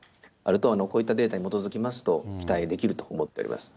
こういったデータに基づきますと、期待できると思っておりま